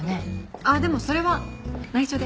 ああでもそれは内緒で。